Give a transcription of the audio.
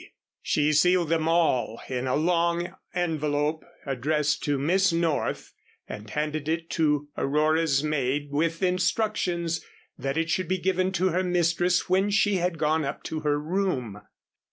She sealed them all in a long envelope addressed to Miss North and handed it to Aurora's maid with instructions that it should be given to her mistress when she had gone up to her room.